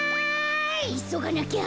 いそがなきゃ。